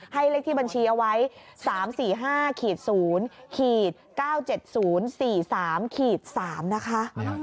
เลขที่บัญชีเอาไว้๓๔๕๐๙๗๐๔๓๓นะคะ